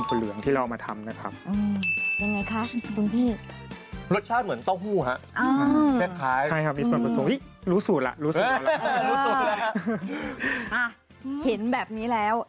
คุณกรฟากร้านหน่อยค่ะตอนนี้ไปเจอได้ที่ไหนอะไรยังไงค่ะ